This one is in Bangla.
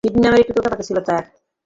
সিডনি নামের একটা তোতাপাখি ছিল তার।